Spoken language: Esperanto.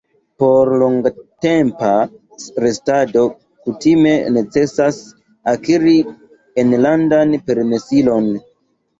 Por longtempa restado kutime necesas akiri enlandan permesilon.